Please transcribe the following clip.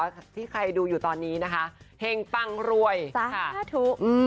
ที่ใครดูอยู่ตอนนี้นะคะเห็งปังรวยสาธุ